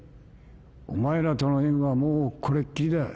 お前らとの縁はもうこれっきりだ。